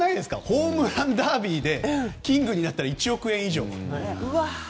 ホームランダービーでキングになったら１億円以上。